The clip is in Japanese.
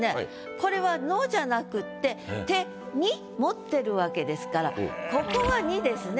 これは「の」じゃなくって「手に」持ってるわけですからここは「に」ですね。